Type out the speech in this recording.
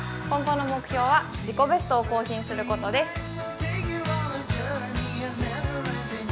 今後の目標は自己ベストを更新することです。